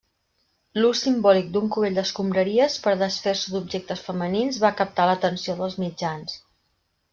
L'ús simbòlic d'un cubell d'escombraries per desfer-se d'objectes femenins va captar l'atenció dels mitjans.